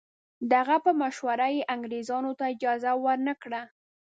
د هغه په مشوره یې انګریزانو ته اجازه ورنه کړه.